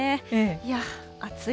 いや、暑い。